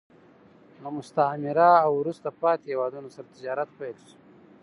له مستعمره او وروسته پاتې هېوادونو سره تجارت پیل شو